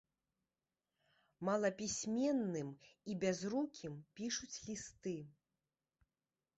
Малапісьменным і бязрукім пішуць лісты.